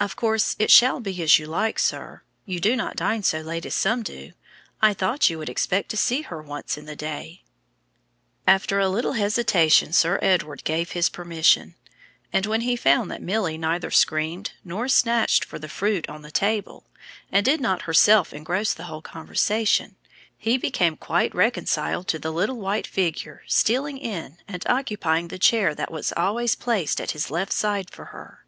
"Of course it shall be as you like, sir. You do not dine so late as some do. I thought you would expect to see her once in the day." After a little hesitation Sir Edward gave his permission; and when he found that Milly neither screamed nor snatched for the fruit on the table, and did not herself engross the whole conversation, he became quite reconciled to the little white figure stealing in and occupying the chair that was always placed at his left hand side for her.